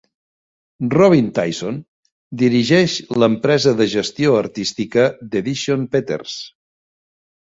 Robin Tyson dirigeix l'empresa de gestió artística d'Edition Peters.